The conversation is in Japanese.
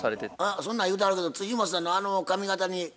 そんなん言うてはるけど本さんのあの髪形にしたいですか？